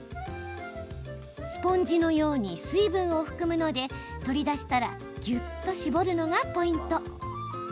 スポンジのように水分を含むので取り出したらぎゅっと絞るのがポイント。